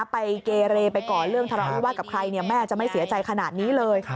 ไปเกเรไปก่อเรื่องทะเลาวิวาสกับใครแม่จะไม่เสียใจขนาดนี้เลย